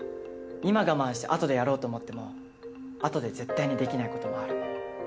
今我慢して後でやろうと思っても後で絶対にできないこともある。